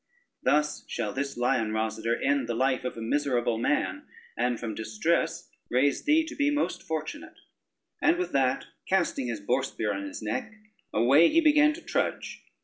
Thus shall this lion, Rosader, end the life of a miserable man, and from distress raise thee to be most fortunate." And with that, casting his boar spear on his neck, away he began to trudge.